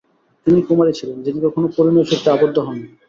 তিনি কুমারী ছিলেন, যিনি কখনো পরিণয়সূত্রে আবদ্ধ হননি।